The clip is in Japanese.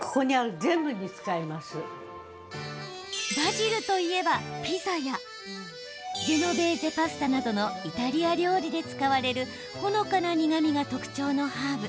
バジルといえば、ピザやジェノベーゼパスタなどのイタリア料理で使われるほのかな苦みが特徴のハーブ。